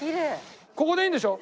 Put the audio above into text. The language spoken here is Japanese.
ここでいいんでしょ？